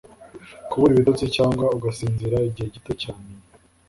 kubura ibitotsi cyangwa ugasinzira igihe gito cyane